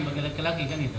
bagi laki laki kan itu